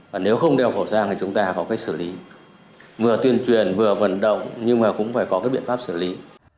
và nếu không đeo khẩu trang thì chúng ta có cách xử lý vừa tuyên truyền vừa vận động nhưng mà cũng phải có cái biện pháp xử lý